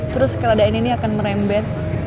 terus keledain ini akan merembet